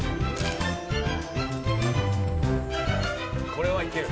これはいける。